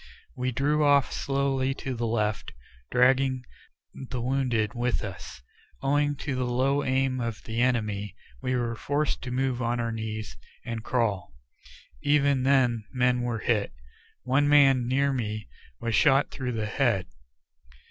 We drew off slowly to the left, dragging the wounded with us. Owing to the low aim of the enemy, we were forced to move on our knees and crawl. Even then men were hit. One man near me was shot through the head.